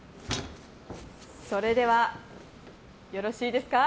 それではよろしいですか。